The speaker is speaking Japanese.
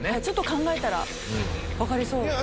ちょっと考えたらわかりそう。